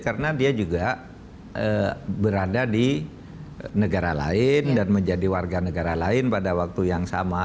karena dia juga berada di negara lain dan menjadi warga negara lain pada waktu yang sama